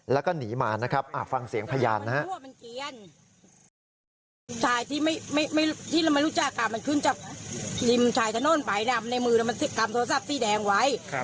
แล้วก็หนีมานะครับฟังเสียงพยานนะครับ